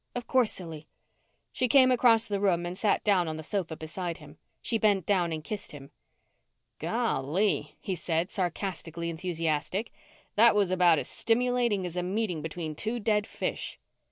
"Of course, silly." She came across the room and sat down on the sofa beside him. She bent down and kissed him. "Golly," he said, sarcastically enthusiastic, "that was about as stimulating as a meeting between two dead fish."